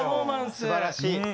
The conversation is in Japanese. すばらしい。